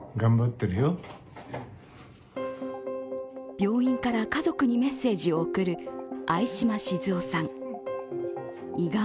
病院から家族にメッセージを送る相嶋静夫さん。